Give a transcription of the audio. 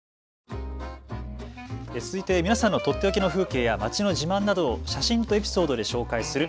続いて皆さんのとっておきの風景や町の自慢などを写真とエピソードで紹介する＃